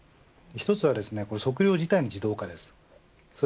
１つは測量時短の自動化です。